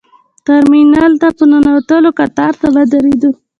ترمینل ته په ننوتلو کتار ته ودرېدو.